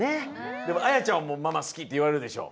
でも彩ちゃんもママ好きっていわれるでしょ。